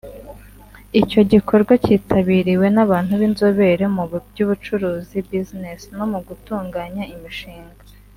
Icyo gikorwa cyitabiriwe n’abantu b’inzobere mu by’ubucuruzi (Business ) no mu gutunganya imishinga